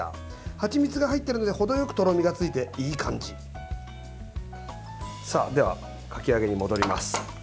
はちみつが入っているので程よくとろみがついて、いい感じ。さあ、かき揚げに戻ります。